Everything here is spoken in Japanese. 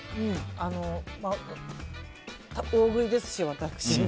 大食いですし、私は。